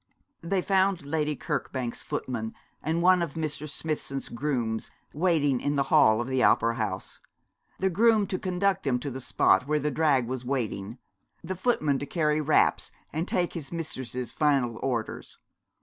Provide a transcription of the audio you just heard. They found Lady Kirkbank's footman and one of Mr. Smithson's grooms waiting in the hall of the opera house. The groom to conduct them to the spot where the drag was waiting; the footman to carry wraps and take his mistress's final orders.